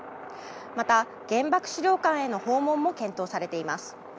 また、原爆資料館への訪問も検討されています。